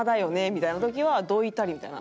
みたいな時はどいたりみたいな。